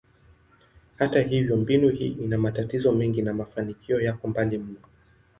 Hata hivyo, mbinu hii ina matatizo mengi na mafanikio yako mbali mno.